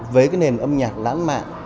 với cái nền âm nhạc lãng mạn